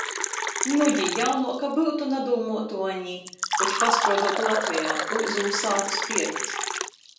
Nudi, jaunuoka byutu, nadūmuotu a ni. Koč pastruoduotu Latvejā. Ūzulu sātys pierts.